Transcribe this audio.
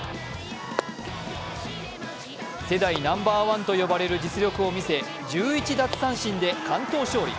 世代ナンバーワンと呼ばれる実力を見せ１１奪三振で完投勝利。